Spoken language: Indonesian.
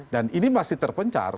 dan ini masih terpencar